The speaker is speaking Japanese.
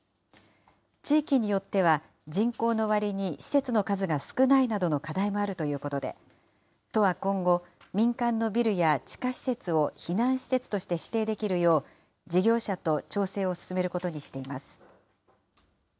地域によっては、人口の割に施設の数が少ないなどの課題もあるということで、都は今後、民間のビルや地下施設を避難施設として指定できるよう、事業者と調整を進めることにしています。